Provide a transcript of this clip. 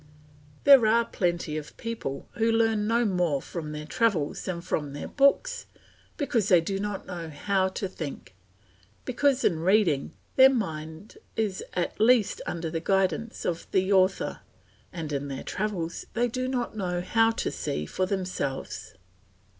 There are plenty of people who learn no more from their travels than from their books, because they do not know how to think; because in reading their mind is at least under the guidance of the author, and in their travels they do not know how to see for themselves.